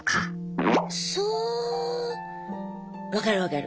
そう分かる分かる。